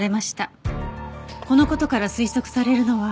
この事から推測されるのは。